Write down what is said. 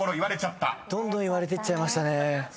どんどん言われていっちゃいましたね。